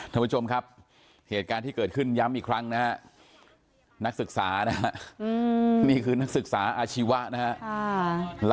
ท่านผู้ชมครับเหตุการณ์ที่เกิดขึ้นย้ำอีกครั้งนะฮะนักศึกษานะฮะนี่คือนักศึกษาอาชีวะนะฮะ